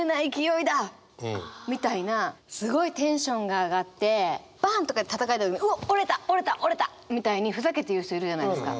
みたいなすごいテンションが上がってバンッとかってたたかれて「うおっ折れた折れた折れた！」みたいにふざけて言う人いるじゃないですか。